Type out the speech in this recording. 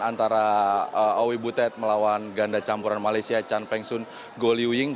antara oi butet melawan ganda campuran malaysia chan peng son goh liu ying